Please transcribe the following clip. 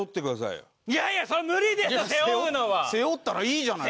背負ったらいいじゃない。